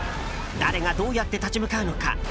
誰が、どうやって立ち向かうのか。